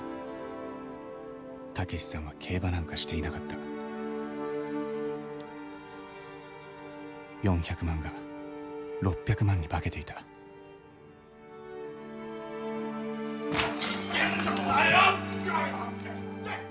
タケシさんは競馬なんかしていなかった４００万が６００万に化けていたふざけんじゃねえよ！